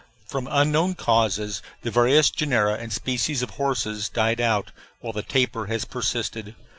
From unknown causes the various genera and species of horses died out, while the tapir has persisted.